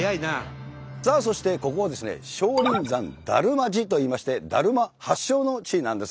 さあそしてここは少林山達磨寺といいましてだるま発祥の地なんですね。